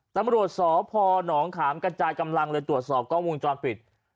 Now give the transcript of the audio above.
ตำรวจสพนขามกระจายกำลังเลยตรวจสอบกล้องวงจรปิด